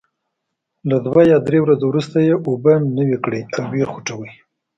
له دوه یا درې ورځو وروسته یې اوبه نوي کړئ او وې خوټوئ.